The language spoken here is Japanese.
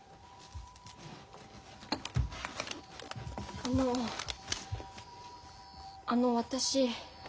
あのあの私。